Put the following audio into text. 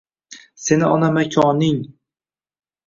Seni ona makoning…